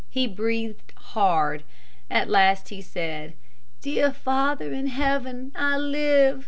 He breathed hard. At last he said, "Dear Father in Heaven, I live.